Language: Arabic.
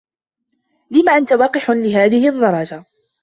لم أنت وقح لهذه الدرجة؟